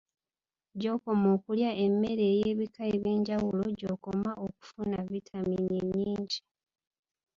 Gy'okoma okulya emmere ey'ebika eby'enjawulo gy'okoma okufuna vitamiini ennyingi